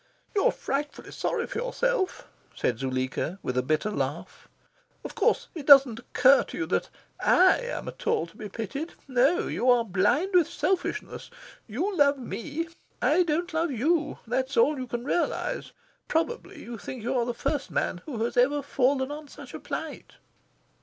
"You are frightfully sorry for yourself," said Zuleika, with a bitter laugh. "Of course it doesn't occur to you that I am at all to be pitied. No! you are blind with selfishness. You love me I don't love you: that is all you can realise. Probably you think you are the first man who has ever fallen on such a plight."